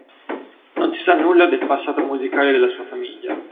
Non si sa nulla del passato musicale della sua famiglia.